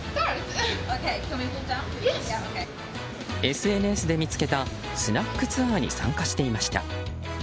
ＳＮＳで見つけたスナックツアーに参加していました。